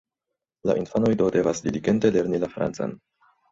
La infanoj do devas diligente lerni la francan.